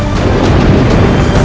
dan menjaga kekuatan